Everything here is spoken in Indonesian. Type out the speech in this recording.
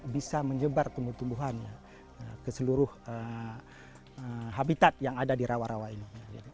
bisa menyebar tumbuh tumbuhan ke seluruh habitat yang ada di rawa rawa ini